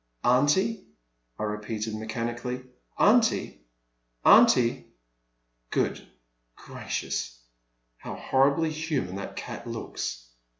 Aunty," I repeated mechanically, "aunty, aunty — good gracious, how horribly human that cat looks